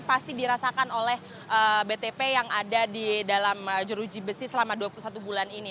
pasti dirasakan oleh btp yang ada di dalam jeruji besi selama dua puluh satu bulan ini